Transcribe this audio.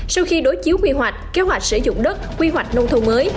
sau khi đối chiếu quy hoạch kế hoạch sử dụng đất quy hoạch nông thôn mới